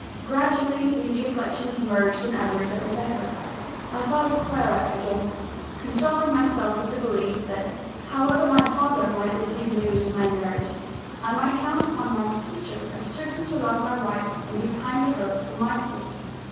Gradually these reflections merged in others that were better. I thought of Clara again; consoling myself with the belief, that, however my father might receive the news of my marriage, I might count upon my sister as certain to love my wife and be kind to her, for my sake.